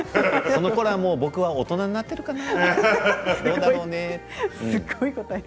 そのころは、僕はもう大人になっているかな。